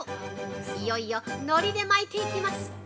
いよいよ、のりで巻いていきます。